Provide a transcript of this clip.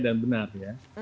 dan benar ya